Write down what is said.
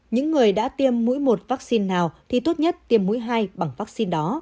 những người đã tiêm mũi một vaccine nào thì tốt nhất tiêm mũi hai bằng vaccine đó